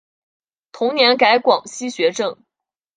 同年改广西学政。